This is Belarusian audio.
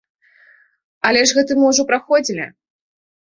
Але ж гэта мы ўжо праходзілі.